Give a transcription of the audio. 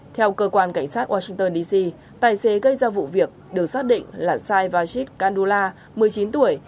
theo cơ quan cảnh sát washington dc tài xế gây ra vụ việc được xác định là sai vajib kandula một mươi chín tuổi